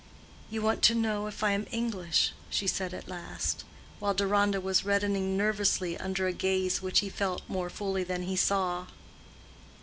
"You want to know if I am English?" she said at last, while Deronda was reddening nervously under a gaze which he felt more fully than he saw.